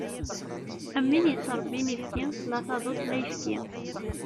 Am win yettrebbin ibki, la taduṭ la ayefki.